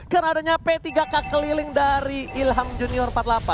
karena adanya p tiga k keliling dari ilham junior empat puluh delapan